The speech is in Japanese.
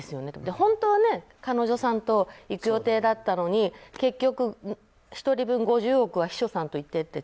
本当は彼女さんと行く予定だったのに結局１人分、５０億は秘書さんと行ってっていう。